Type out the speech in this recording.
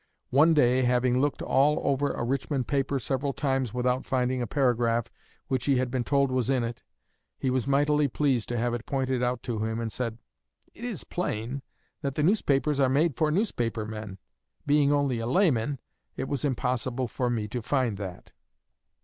One day, having looked all over a Richmond paper several times without finding a paragraph which he had been told was in it, he was mightily pleased to have it pointed out to him, and said, 'It is plain that newspapers are made for newspaper men; being only a layman, it was impossible for me to find that.'"